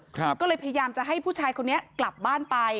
ก็เลยพยายามจะให้ผู้ชายคนนี้กลับบ้านไป